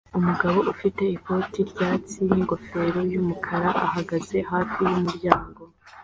Umugabo ufite ikoti ryatsi ningofero yumukara uhagaze hafi yumuryango